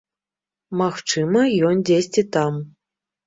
Магчыма, ён дзесьці там.